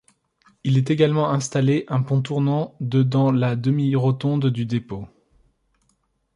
Il est également installé un pont tournant de dans la demi-rotonde du dépôt.